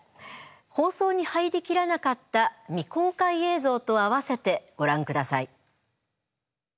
放送に入り切らなかった未公開映像と併せてご覧ください。